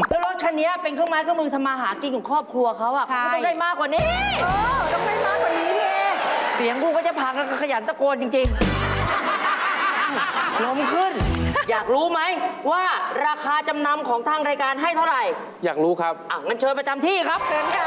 มันเป็นค่าเฉลี่ยมากครับ